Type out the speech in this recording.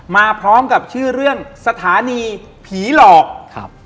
มาพร้อมกับชื่อเรื่องสถานีผีหลอกครับ